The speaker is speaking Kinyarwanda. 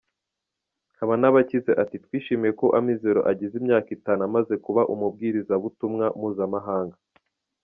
Habanabakize ati “ Twishimiye ko Amizero agize imyaka itanu amaze kuba umubwirizabutumwa mpuzamahanga.